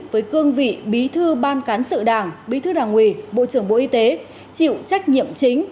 với cương vị bí thư ban cán sự đảng bí thư đảng ủy bộ trưởng bộ y tế chịu trách nhiệm chính